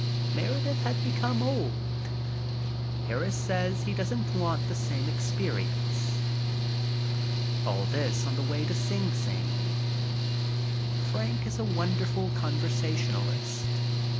Meredith had become old. Harris says he doesn't want the same experi ence. All this on the way to Sing Sing. Frank is a wonderful conversationalist.